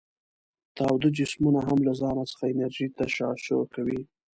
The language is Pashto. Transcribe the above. تاوده جسمونه هم له ځانه څخه انرژي تشعشع کوي.